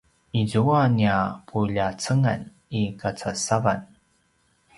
izua nia puljacengan i kacasavan